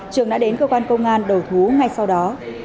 trường đã đến cơ quan công an đầu thú ngay sau đó